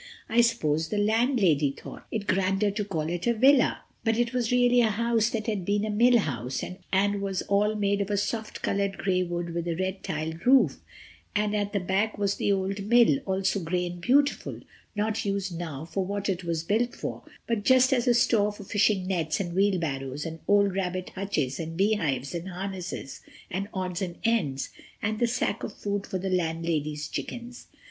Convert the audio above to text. I suppose the landlady thought it grander to call it a villa, but it was really a house that had once been a mill house, and was all made of a soft colored gray wood with a red tiled roof, and at the back was the old mill, also gray and beautiful—not used now for what it was built for—but just as a store for fishing nets and wheelbarrows and old rabbit hutches and beehives and harnesses and odds and ends, and the sack of food for the landlady's chickens.